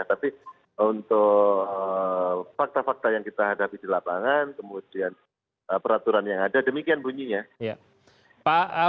tapi untuk fakta fakta yang kita hadapi di lapangan kemudian peraturan yang ada demikian bunyinya